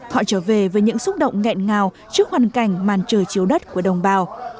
họ trở về với những xúc động nghẹn ngào trước hoàn cảnh màn trời chiếu đất của đồng bào